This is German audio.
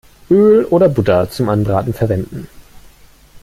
Öl oder Butter zum Anbraten verwenden.